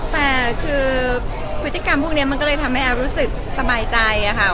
แต่คือพฤติกรรมพวกนี้มันก็เลยทำให้แอฟรู้สึกสบายใจค่ะ